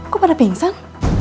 kok pada pingsan